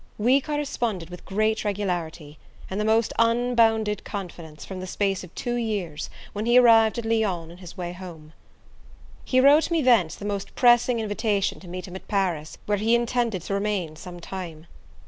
We corresponded with great regularity, and the most unbounded confidence, for the space of two years, when he arrived at Lyons in his way home. He wrote me thence the most pressing invitation to meet him at Paris, where he intended to remain some time.